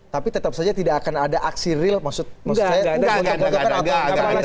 tapi tetap saja tidak akan ada aksi real maksudnya